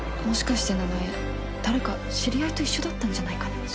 もしかして奈々江誰か知り合いと一緒だったんじゃないかな？